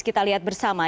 kita lihat bersama